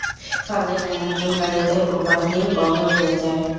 ফলে জ্ঞানার্জনকারীদের উপাধির বহর বেড়ে যায়।